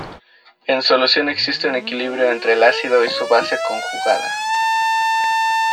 En solución existe un equilibrio entre el ácido y su base conjugada.